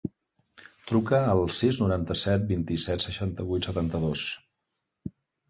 Truca al sis, noranta-set, vint-i-set, setanta-vuit, setanta-dos.